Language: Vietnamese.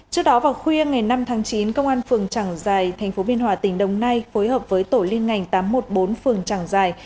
trước đó vào khuya ngày năm tháng chín công an phường trảng giài tp biên hòa tỉnh đồng nai phối hợp với tổ liên ngành tám trăm một mươi bốn phường trảng giải